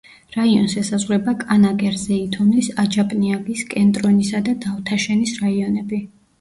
რაიონს ესაზღვრება კანაკერ-ზეითუნის, აჯაპნიაკის, კენტრონისა და დავთაშენის რაიონები.